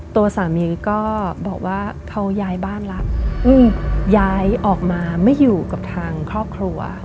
ตัวสามีก็บอกว่าเขาย้ายบ้านแล้วย้ายออกมาไม่อยู่กับทางครอบครัว